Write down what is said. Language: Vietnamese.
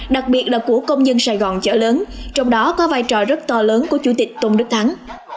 đặc biệt là của công dân sài gòn chợ lớn trong đó có vai trò rất to lớn của chủ tịch tôn đức thắng